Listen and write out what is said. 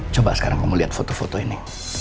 coba sekarang kamu lihat foto foto ini